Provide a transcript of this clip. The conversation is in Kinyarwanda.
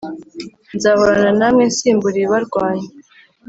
nzahorana namwe nsimbura ibibarwanya